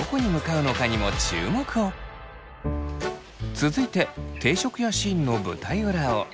続いて定食屋シーンの舞台裏を。